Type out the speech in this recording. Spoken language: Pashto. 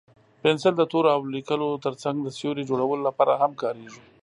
پنسل د تورو او لیکلو تر څنګ د سیوري جوړولو لپاره هم کارېږي.